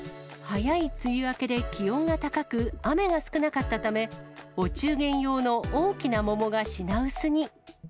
早い梅雨明けで気温が高く、雨が少なかったため、お中元用の大きな桃が品薄に。